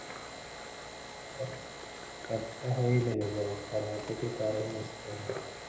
দোতলার বারান্দায় চটি ফটফটিয়ে হাঁটার শব্দ পাওয়া যাচ্ছে।